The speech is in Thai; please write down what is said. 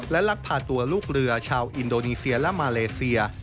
และลักพาตัวลูกเรือชาวอินโดนีเซียและมาเลเซีย